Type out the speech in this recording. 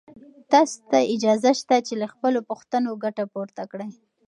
تاسو ته اجازه شته چې له خپلو پوښتنو ګټه پورته کړئ.